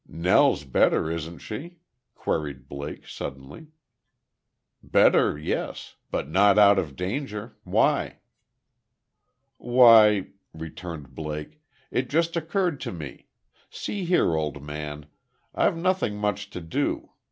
"Nell's better, isn't she?" queried Blake, suddenly. "Better, yes; but not out of danger. Why?" "Why," returned Blake, "it just occurred to me see here, old man, I've nothing much to do.